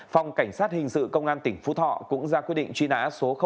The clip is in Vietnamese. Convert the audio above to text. phòng cảnh sát hình sự công an tỉnh phú thọ cũng ra quyết định truy nã số ba